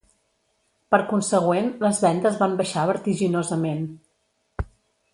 Per consegüent, les vendes van baixar vertiginosament.